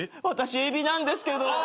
私海老なんですけど。